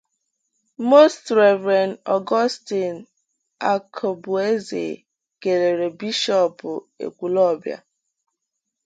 'Most Rev.' Augustine Akubueze kèlere Bishọọpụ Ekwulọbịa